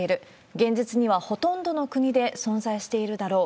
現実にはほとんどの国で存在しているだろう。